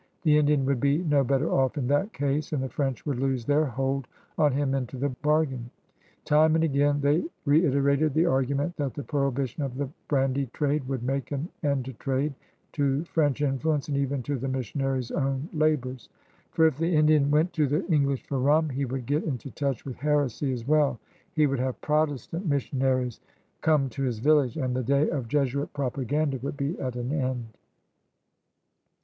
The Indian would be no better off in that case, and the French would lose their hold on him into tiie bargain. Time and again they reiterated the argument that the prohibition of the brandy trade would make an end to trade, to French influence, and even to the missionary's own labors. For if the Indian went to the English for rum, he would get into touch with heresy as well; he wotdd have Protestant 174 CRUSADERS OF NEW PRANCE missionaries come to his village, and the day of Jesuit propaganda wotdd be at an end.